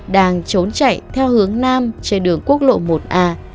đang trốn chạy theo hướng nam trên đường quốc lộ một a